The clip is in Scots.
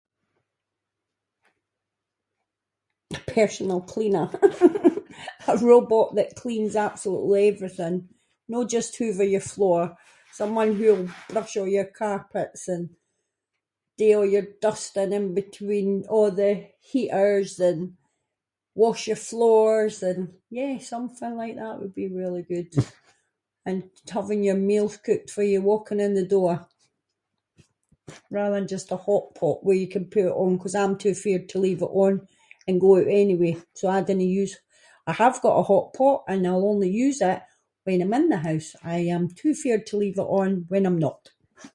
A personal cleaner. A robot that cleans absolutely everything, no just hoover your floor, someone who’ll brush a' your carpets and do a' your dusting in between a’ the heaters, and wash your floors, and yeah something like that would be really good, and having your meals cooked for you walking in the door, rather than just a hot-pot where you can put it on, ‘cause I’m too feared to leave it on, and go oot anyway, so I dinnae use- I have got a hot-pot and I’ll only use it when I’m in the house, I am too feared to leave it on when I’m not.